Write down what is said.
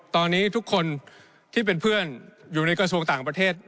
ตอนนี้ทุกคนที่เป็นเพื่อนอยู่ในกระทรวงต่างประเทศ